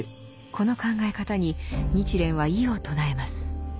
この考え方に日蓮は異を唱えます。